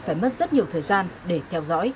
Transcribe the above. phải mất rất nhiều thời gian để theo dõi